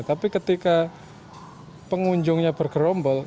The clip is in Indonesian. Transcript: tapi ketika pengunjungnya bergerombol